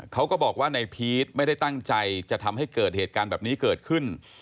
เขาก็บอกว่าในพีชไม่ได้ตั้งใจจะทำให้เกิดเหตุการณ์แบบนี้เกิดขึ้น